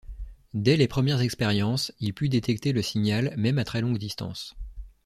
Dès les premières expériences, il put détecter le signal même à très longue distance.